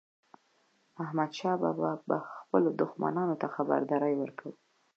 احمدشاه بابا به خپلو دښمنانو ته خبرداری ورکاوه.